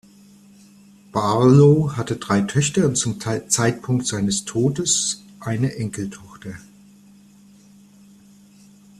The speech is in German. Barlow hatte drei Töchter und zum Zeitpunkt seines Todes eine Enkeltochter.